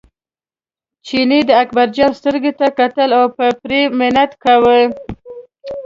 چیني د اکبرجان سترګو ته کتل او په پرې منت کاوه.